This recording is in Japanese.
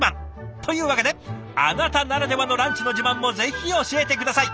というわけであなたならではのランチの自慢もぜひ教えて下さい。